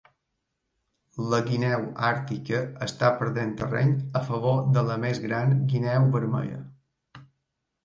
La guineu àrtica està perdent terreny a favor de la més gran guineu vermella.